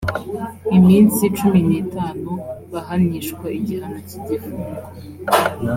iminsi cumi n itanu bahanishwa igihano cy igifungo